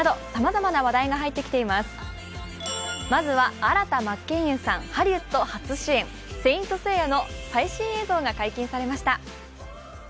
まずは新田真剣佑さん、ハリウッド初主演、「聖闘士星矢」の最新映像が解禁されました。